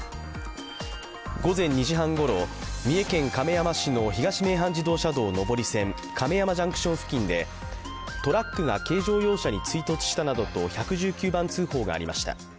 午前２時半ごろ、三重県亀山市の東名阪自動車道・上り線亀山ジャンクション付近で、トラックが軽乗用車に追突したなどと１１９番通報がありました。